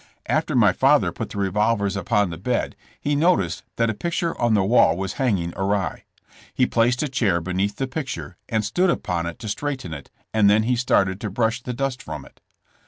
After my father put the revolvers upon the bed he noticed that a picture on the wall was hanging awry. He placed a chair beneath the picture and stood upon it to straighten it and then he started to brush the dust from it.